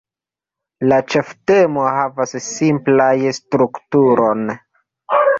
La ĉeftemo havas simplaj strukturon.